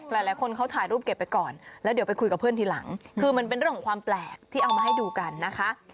หลายคนเขาถ่ายรูปเก็บไปก่อนแล้วเดี๋ยวไปคุยกับเพื่อนทีหลังคือมันเป็นเรื่องของความแปลกที่เอามาให้ดูกันนะคะ